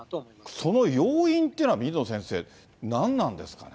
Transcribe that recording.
その要因っていうのは、水野先生、何なんですかね。